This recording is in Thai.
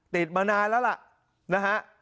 ติดมานานแล้วล่ะนะฮะ